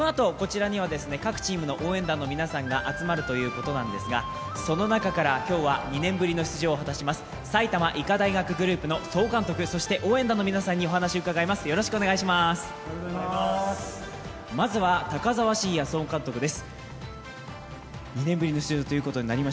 このあと、こちらには各チームの応援団の皆さんが集まるということですが、その中から今日は２年ぶりの出場を果たします埼玉医科大学グループの総監督、そして応援団の皆さんにお話を伺います。